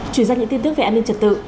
chuyển sang những tin tức về an ninh trật tự